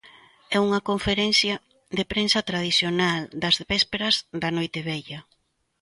É unha conferencia de prensa tradicional das vésperas da Noitevella.